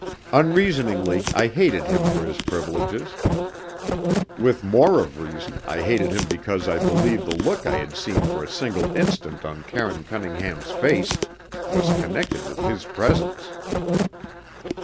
Unreasoningly, I hated him for his privileges. With more of reason, I hated him because I believed the look I had seen for a single instant on Karine Cunningham's face was connected with his presence.